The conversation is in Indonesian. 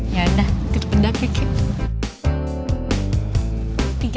ya udah kita lenda kakek